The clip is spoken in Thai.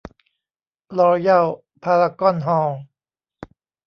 รอยัลพารากอนฮอลล์